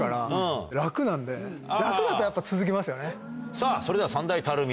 さぁそれでは。